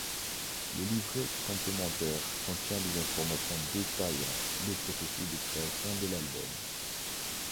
Le livret complémentaire contient des informations détaillant le processus de création de l'album.